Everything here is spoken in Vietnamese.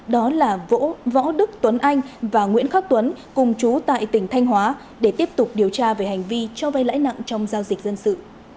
đó là võ đức tuấn anh và nguyễn khắc tuấn cùng chú tại tỉnh thanh hóa để tiếp tục điều tra về hành vi cho vay lãi nặng trong giao dịch dân sự